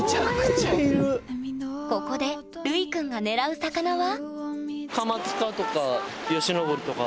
ここでるいくんが狙う魚は？